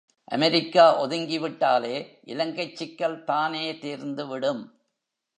America ஒதுங்கி விட்டாலே இலங்கைச் சிக்கல் தானே தீர்ந்துவிடும்.